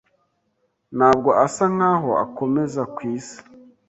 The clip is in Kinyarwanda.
Ntabwo asa nkaho akomeza kwisi.